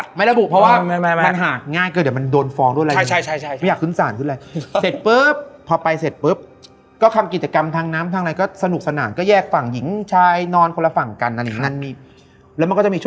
กุกกูกใจเลย